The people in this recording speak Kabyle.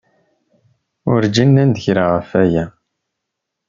Werǧin nnan-d kra ɣef aya.